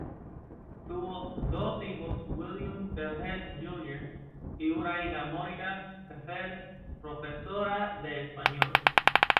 Tuvo dos hijos, William Pereira, Jr., y una hija, Mónica Pereira, profesora de español.